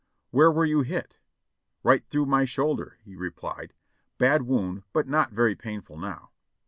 "Where were you hit?" "Right through my shoulder," he replied ; "bad wound, but not very painful now."